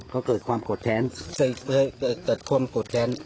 ก็เกิดความโกฏแท้น